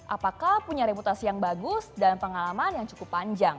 apakah punya reputasi yang bagus dan pengalaman yang cukup panjang